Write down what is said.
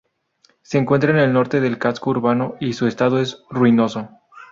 Se encuentra en el norte del casco urbano y su estado es ruinoso.